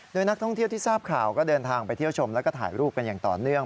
โดยนักท่องเที่ยวที่ทราบข่าวก็เดินทางไปเที่ยวชมแล้วก็ถ่ายรูปกันอย่างต่อเนื่อง